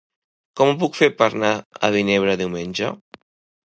Com ho puc fer per anar a Vinebre diumenge?